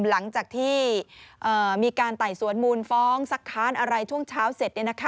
หลังจากที่มีการไต่สวนมูลฟ้องสักค้านอะไรช่วงเช้าเสร็จ